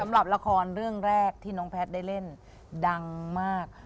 ละครเรื่องแรกที่น้องแพทย์ได้เล่นดังมาก